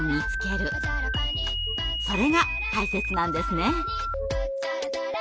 それが大切なんですね。